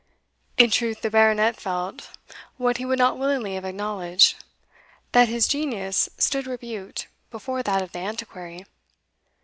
In truth, the Baronet felt, what he would not willingly have acknowledged, that his genius stood rebuked before that of the Antiquary.